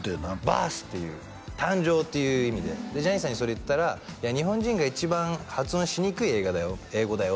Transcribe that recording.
ＢＩＲＴＨっていう誕生っていう意味でジャニーさんにそれ言ったら「いや日本人が一番発音しにくい英語だよ」